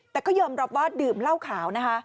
แต่เขายอมรับว่าดื่มเหล้าขาว